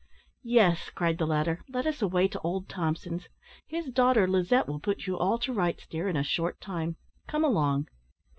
"Yes," cried the latter, "let us away to old Thompson's. His daughter, Lizette, will put you all to rights, dear, in a short time. Come along."